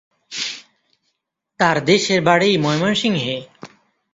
তার দেশের বাড়ি ময়মনসিংহে।